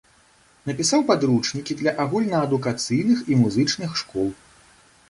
Напісаў падручнікі для агульнаадукацыйных і музычных школ.